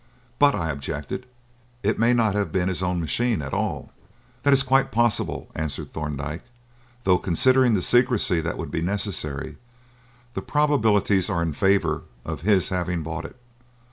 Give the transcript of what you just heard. "But," I objected, "it may not have been his own machine at all." "That is quite possible," answered Thorndyke, "though, considering the secrecy that would be necessary, the probabilities are in favour of his having bought it.